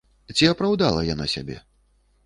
Ці апраўдала яна сябе?